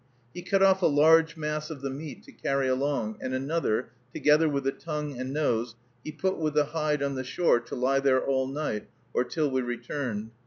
He cut off a large mass of the meat to carry along, and another, together with the tongue and nose, he put with the hide on the shore to lie there all night, or till we returned.